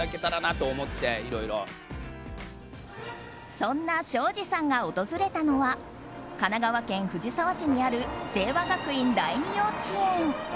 そんな庄司さんが訪れたのは神奈川県藤沢市にある聖和学院第二幼稚園。